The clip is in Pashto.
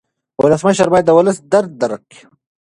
ولسمشر باید د ولس درد درک کړي.